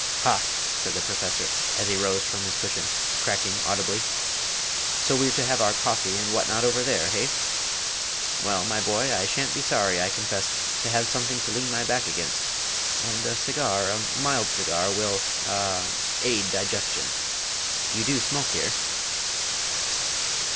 "Ha!" said the Professor, as he rose from his cushion, cracking audibly, "so we're to have our coffee and what not over there, hey?... Well, my boy, I shan't be sorry, I confess, to have something to lean my back against and a cigar, a mild cigar, will ah aid digestion. You do smoke here?"